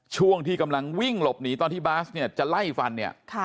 ช่วงที่กำลังวิ่งหลบหนีตอนที่บาสเนี่ยจะไล่ฟันเนี่ย